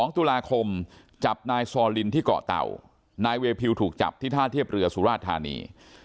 ๒ตุลาคมจับนายซอลินที่เกาะเต่านายเวพิวถูกจับที่ท่าเทียบเรือสุราชธานี